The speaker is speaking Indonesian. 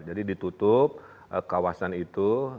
jadi ditutup kawasan itu